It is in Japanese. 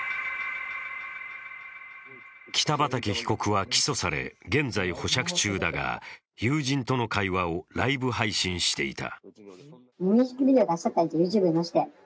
北畠被告は起訴され現在保釈中だが、友人との会話をライブ配信していた。